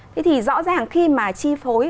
thế thì rõ ràng khi mà chi phối